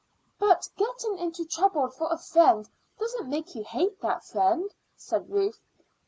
"But getting into trouble for a friend doesn't make you hate that friend," said Ruth.